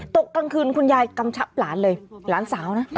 ตกกลางคืนคุณยายกำชับหลานเลยหลานสาวนะ